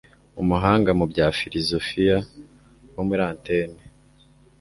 Umuhanga mu bya filozofiya wo muri Atene